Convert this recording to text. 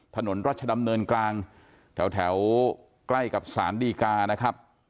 ถนนรัชดำเนินกลางแถวใกล้กับสารดีกานะครับ